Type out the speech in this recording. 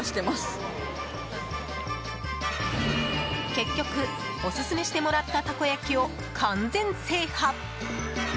結局、オススメしてもらったたこ焼きを完全制覇。